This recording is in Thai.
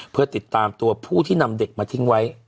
เพื่อติดตามตัวผู้ที่นำเด็กมาทิ้งไว้